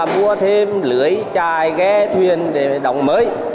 ví dụ như là mua thêm lưới chai ghé thuyền để đóng mới